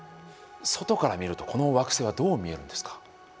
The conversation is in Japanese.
外から見るとこの惑星はどう見えるんですか？